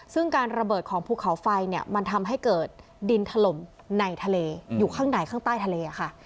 ซึ่งการระเบิดของภูเขาไฟเนี่ยมันทำให้เกิดดินถล่มในทะเลอยู่ข้างในข้างใต้ทะเลค่ะ